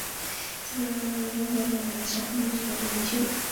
金家庄区原是中国安徽省马鞍山市下辖的一个区。